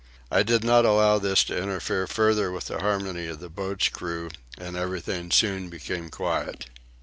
I did not allow this to interfere further with the harmony of the boat's crew and everything soon became quiet.